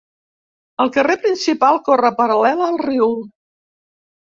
El carrer principal corre paral·lel al riu.